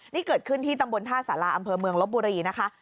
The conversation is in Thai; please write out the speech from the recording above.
นี่เกิดขึ้นที่ตำบลท่าสาราอำเภอเมืองลบบุรีนะคะ